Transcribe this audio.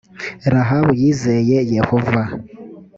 rahabu yizeye yehova